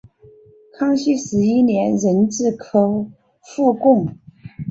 康熙十一年壬子科副贡。